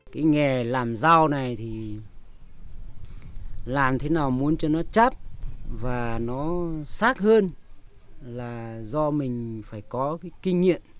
cái nghề làm rau này thì làm thế nào muốn cho nó chắc và nó sắc hơn là do mình phải có kinh nghiệm